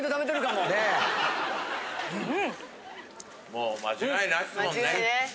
もう間違いないっすもんね。